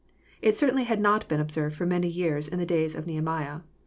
It certainly had not been observed for many years in the days of Kehemiah.